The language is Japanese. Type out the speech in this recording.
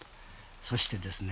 そしてですね